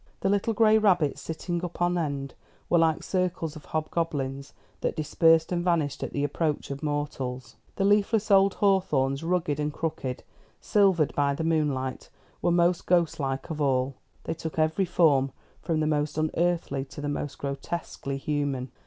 The little gray rabbits, sitting up on end, were like circles of hobgoblins that dispersed and vanished at the approach of mortals. The leafless old hawthorns, rugged and crooked, silvered by the moonlight, were most ghostlike of all. They took every form, from the most unearthly to the most grotesquely human.